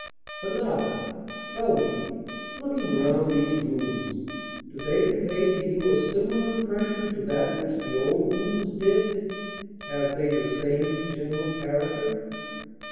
But now, tell me; looking round these rooms, do they convey to you a similar impression to that which the old rooms did? Have they the same general character?"